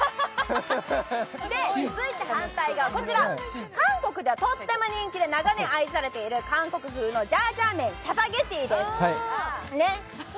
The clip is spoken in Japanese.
続いては韓国ではとっても人気で愛されているジャージャー麺のチャパゲティです。